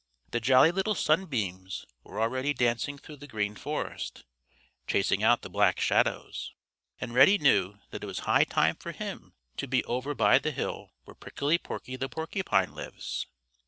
The Jolly Little Sunbeams were already dancing through the Green Forest, chasing out the Black Shadows, and Reddy knew that it was high time for him to be over by the hill where Prickly Porky the Porcupine lives.